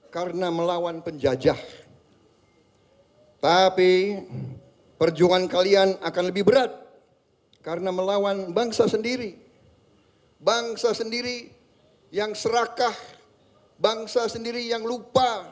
keresahan saya yang sesungguhnya